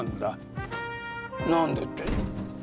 なんでって？